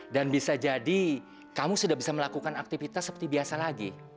dan bisa jadi kamu sudah bisa melakukan aktivitas seperti biasa lagi